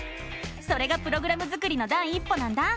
それがプログラム作りの第一歩なんだ！